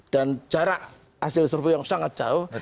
dan jarak asil servo yang sangat jauh